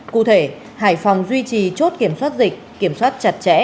cụ thể hải phòng duy trì chốt kiểm soát dịch kiểm soát chặt chẽ